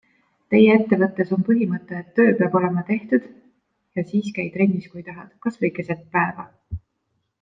Teie ettevõttes on põhimõte, et töö peab olema tehtud ja siis käi trennis, kui tahad, kasvõi keset päeva.